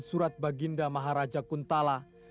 surat baginda maharaja kuntala